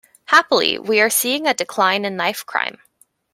Happily, we are seeing a decline in knife crime.